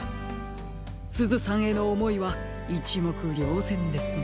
すずさんへのおもいはいちもくりょうぜんですね。